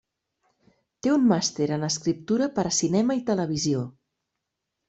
Té un màster en escriptura per a cinema i televisió.